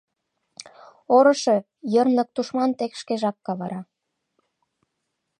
Орышо, йырнык тушман тек шкежак кавара!